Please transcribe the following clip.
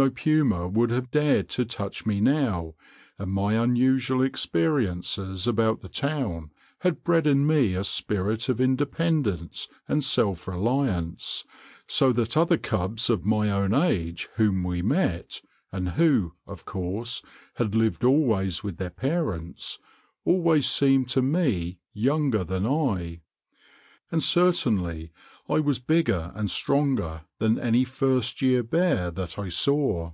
No puma would have dared to touch me now, and my unusual experiences about the town had bred in me a spirit of independence and self reliance, so that other cubs of my own age whom we met, and who, of course, had lived always with their parents, always seemed to me younger than I; and certainly I was bigger and stronger than any first year bear that I saw.